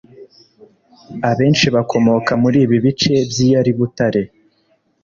abenshi bakomoka muri ibi bice by’iyari Butare